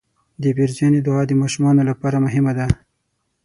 د پیرزوینې دعا د ماشومانو لپاره مهمه ده.